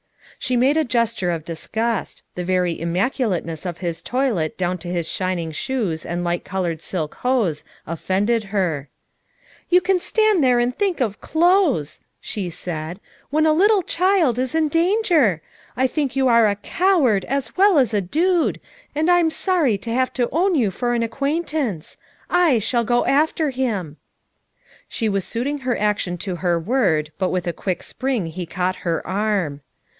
She made a gesture of disgust; the very im maculateness of his toilet down to his shining shoes and light colored silk hose offended her. 202 FOUR MOTHERS AT CHAUTAUQUA "You can stand there and think of clothes/' she said, "when a little child is in danger! I think you are a coward as well as a dude, and I'm sorry to have to own you for an ac quaintance. / shall go after him," She was suiting her action to her word but with a quick spring he caught her arm.